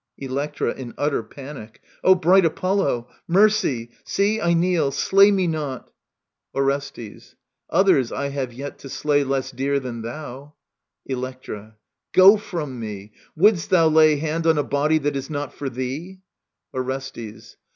Electra {in utter panic). O bright Apollo ! Mercy ! See, I kneel 5 Slay me not. Digitized by VjOOQIC 14 EURIPIDES Orestes. Others I have yet to slay Less dear than thou. Electra. Go from me I Wouldst thou lay Hand on a body that is not for thee ? Orestes.